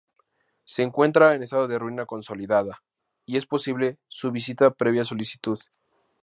Se encuentra en estado de ruina consolidada, y es posible su visita previa solicitud.